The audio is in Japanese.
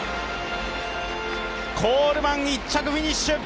コールマン１着フィニッシュ。